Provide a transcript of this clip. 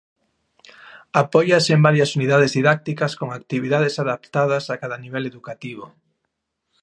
Apóiase en varias unidades didácticas con actividades adaptadas a cada nivel educativo.